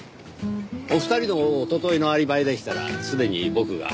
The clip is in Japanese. お二人のおとといのアリバイでしたらすでに僕が。